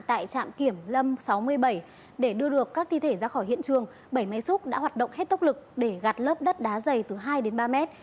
tại trạm kiểm lâm sáu mươi bảy để đưa được các thi thể ra khỏi hiện trường bảy máy xúc đã hoạt động hết tốc lực để gạt lớp đất đá dày từ hai đến ba mét